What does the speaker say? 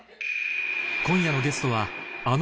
今夜のゲストはあの